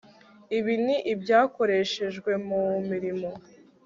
ibi ni ibyakoreshejwe mu mirimo